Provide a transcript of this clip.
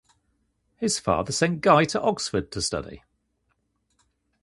His father sent Ghai to Oxford to study.